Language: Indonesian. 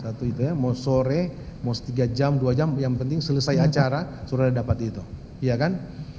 satu itu ya mau sore mau tiga jam dua jam yang penting selesai acara sudah dapat itu iya kan